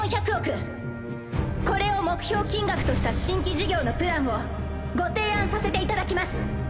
これを目標金額とした新規事業のプランをご提案させていただきます。